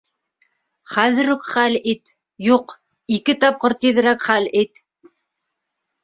Хәҙер үк хәл ит —юҡ, ике тапҡыр тиҙерәк хәл ит!